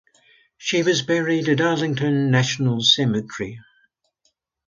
She was buried at Arlington National Cemetery.